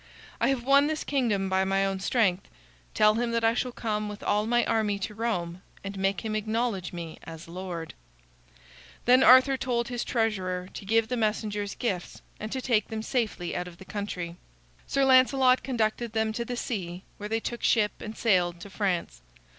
I have won this kingdom by my own strength. Tell him that I shall come with all my army to Rome and make him acknowledge me as lord." Then Arthur told his treasurer to give the messengers gifts, and to take them safely out of the country. Sir Lancelot conducted them to the sea, where they took ship and sailed to France.